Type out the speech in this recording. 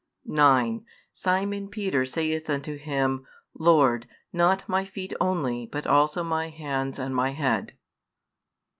|178 9 Simon Peter saith unto Him, Lord, not my feet only, but also my hands and my head.